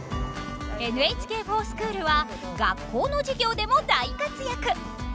ＮＨＫｆｏｒＳｃｈｏｏｌは学校の授業でも大活躍！